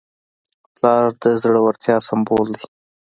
پلار د زړورتیا سمبول دی.